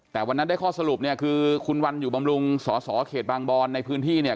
แต่วันนั้นได้ข้อสรุปเนี่ยคือคุณวันอยู่บำรุงสอสอเขตบางบอนในพื้นที่เนี่ย